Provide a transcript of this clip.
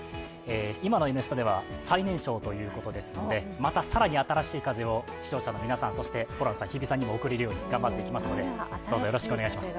今の「Ｎスタ」では最年少ということですので、また更に新しい風を視聴者の皆さん、そしてホランさん日比さんにも送れるように頑張っていきますので、どうぞよろしくお願いいたします。